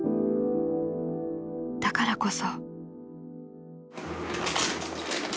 ［だからこそ］